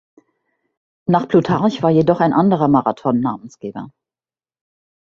Nach Plutarch war jedoch ein anderer Marathon Namensgeber.